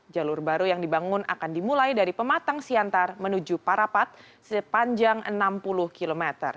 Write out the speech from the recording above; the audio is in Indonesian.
jalur baru yang dibangun akan dimulai dari pematang siantar menuju parapat sepanjang enam puluh km